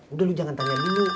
udah lu jangan tanya dulu